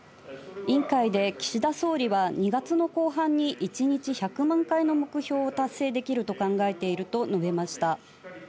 委員会で岸田総理は、２月の後半に１日１００万回の目標を達成できると考えていると述べました。